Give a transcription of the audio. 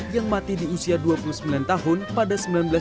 yang mati di usia dua puluh sembilan tahun pada seribu sembilan ratus sembilan puluh